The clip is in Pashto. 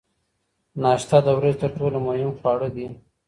ناشته د ورځې تر ټولو مهم خواړه دي.